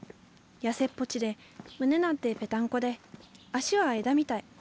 痩せっぽちで胸なんてぺたんこで足は枝みたい。